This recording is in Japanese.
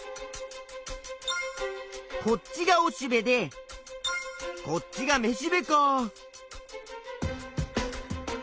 こっちがおしべでこっちがめしべか。